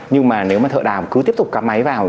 nhưng mà nếu mà thợ đào cứ tiếp tục cắm máy vào